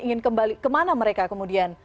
ingin kembali ke mana mereka kemudian